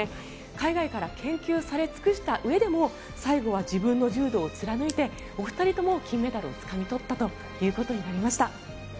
海外から研究され尽くしたうえでも最後は自分の柔道を貫いてお二人とも金メダルをつかみ取ったということになりました。